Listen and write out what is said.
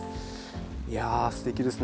いやすてきですね。